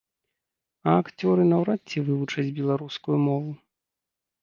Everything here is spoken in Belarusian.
А акцёры наўрад ці вывучаць беларускую мову.